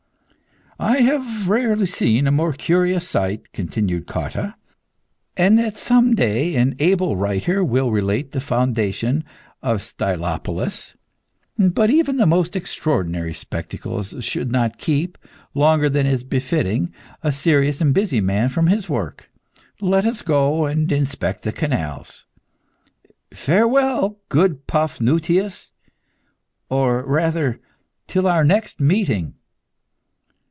"I have rarely seen a more curious sight," continued Cotta, "and I hope that some day an able writer will relate the foundation of Stylopolis. But even the most extraordinary spectacles should not keep, longer than is befitting, a serious and busy man from his work. Let us go and inspect the canals. Farewell, good Paphnutius! or rather, till our next meeting!